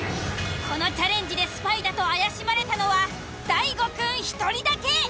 このチャレンジでスパイだと怪しまれたのは大悟くん１人だけ。